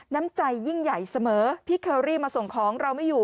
น้ำใจยิ่งใหญ่เสมอพี่เคอรี่มาส่งของเราไม่อยู่